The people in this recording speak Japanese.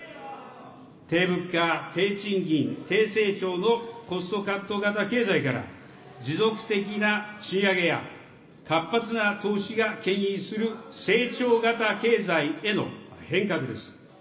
低物価・低賃金・低成長のコストカット型経済から、持続的な賃上げや、活発な投資がけん引する成長型経済への変革です。